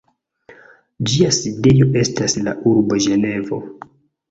Ĝia sidejo estas la urbo Ĝenevo.